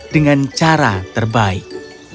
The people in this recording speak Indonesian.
dengan cara terbaik